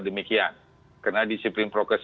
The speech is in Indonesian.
demikian karena disiplin progres